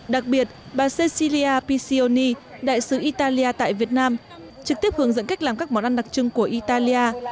đặc biệt bà ceciria picioni đại sứ italia tại việt nam trực tiếp hướng dẫn cách làm các món ăn đặc trưng của italia